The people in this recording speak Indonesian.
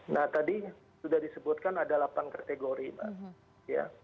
nah tadi sudah disebutkan ada delapan kategori mbak